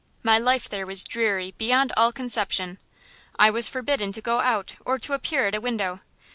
My life there was dreary beyond all conception. I was forbidden to go out or to appear at a window.